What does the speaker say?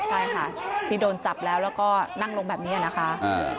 ใช่ค่ะที่โดนจับแล้วแล้วก็นั่งลงแบบนี้นะคะ